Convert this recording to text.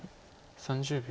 ３０秒。